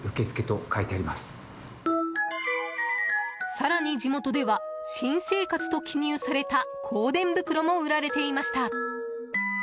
更に、地元では新生活と記入された香典袋も売られていました。